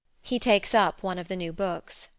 [He takes up one the new books].